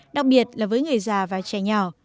đặc biệt là với người già và trẻ nhỏ